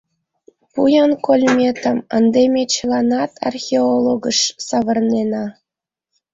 — Пу-ян кольметым, ынде ме чыланат археологыш савырнена.